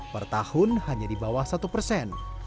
pertahun hanya di bawah satu persen